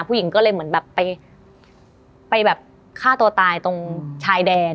ผู้หญิงก็เลยเหมือนแบบไปแบบฆ่าตัวตายตรงชายแดน